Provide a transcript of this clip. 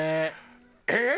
「えっ！？」